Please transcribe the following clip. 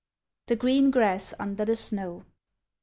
THE GREEN GRASS UNDER THE SNOW.